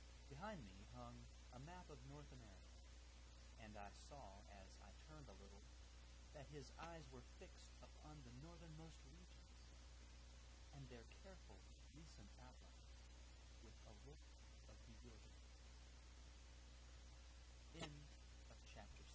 Behind me hung a map of North America, and I saw, as I turned a little, that his eyes were fixed upon the northernmost regions and their careful recent outlines with a look o